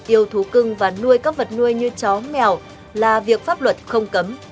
yêu thú cưng và nuôi các vật nuôi như chó mèo là việc pháp luật không cấm